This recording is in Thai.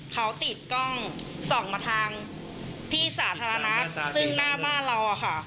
เขาติดกล้องส่องมาทางที่สาธารณะซึ่งหน้าบ้านเราอะค่ะ